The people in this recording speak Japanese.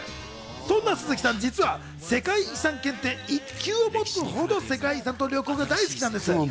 そんな鈴木さん、実は世界遺産検定１級を持つほど世界遺産と旅行が大好きなんです。